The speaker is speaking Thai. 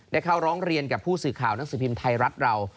เข้าร้องเรียนกับผู้สื่อข่าวหนังสือพิมพ์ไทยรัฐเรา